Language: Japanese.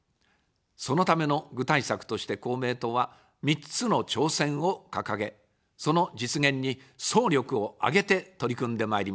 そのための具体策として公明党は、３つの挑戦を掲げ、その実現に総力を挙げて取り組んでまいります。